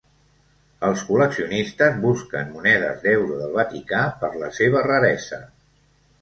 Els col·leccionistes busquen monedes d'euro del Vaticà per la seva raresa.